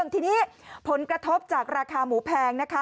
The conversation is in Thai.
ทีนี้ผลกระทบจากราคาหมูแพงนะคะ